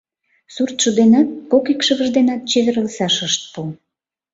Суртшо денат, кок икшывыж денат чеверласаш ышт пу...